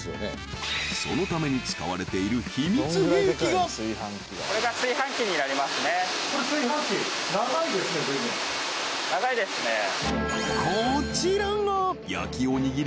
そのために使われている長いですね